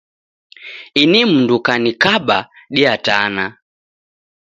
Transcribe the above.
Ini mundu kanikaba diatana.